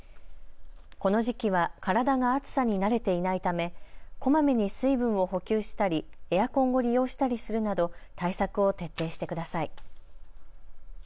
この時期は体が暑さに慣れていないためこまめに水分を補給したりエアコンを利用したりするなど対策を徹底してください。